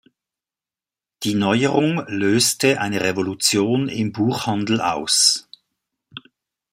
Die Neuerung löste eine Revolution im Buchhandel aus.